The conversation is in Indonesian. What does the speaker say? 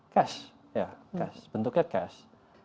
cash bentuknya cash